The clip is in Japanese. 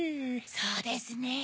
そうですね。